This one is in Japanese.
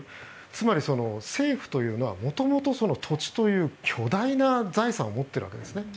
つまり、政府というのは元々、土地という巨大な財産を持っているわけですね。